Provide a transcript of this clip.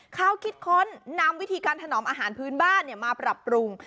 เขาคิดค้นนำวิธีการถนอมอาหารพื้นบ้านมาปรับปรุง